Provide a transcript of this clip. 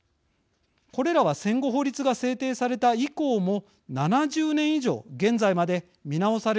これらは戦後法律が制定された以降も７０年以上現在まで見直されずにきました。